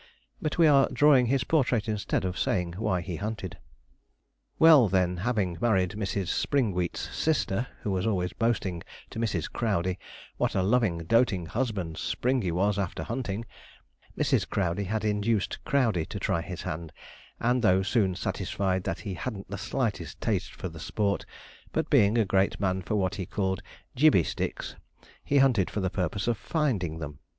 But we are drawing his portrait instead of saying why he hunted. Well, then, having married Mrs. Springwheat's sister, who was always boasting to Mrs. Crowdey what a loving, doting husband Springey was after hunting, Mrs. Crowdey had induced Crowdey to try his hand, and though soon satisfied that he hadn't the slightest taste for the sport, but being a great man for what he called gibbey sticks, he hunted for the purpose of finding them.